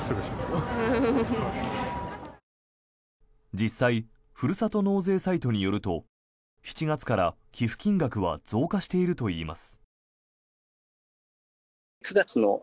実際ふるさと納税サイトによると７月から寄付金額は増加しているといいます。